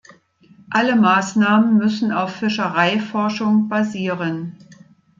Alle Maßnahmen müssen auf Fischereiforschung basieren.